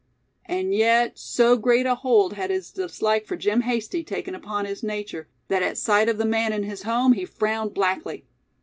And yet so great a hold had his dislike for Jim Hasty taken upon his nature, that at sight of the man in his home he frowned blackly.